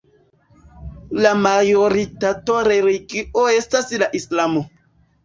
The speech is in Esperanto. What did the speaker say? La majoritata religio estas la islamo.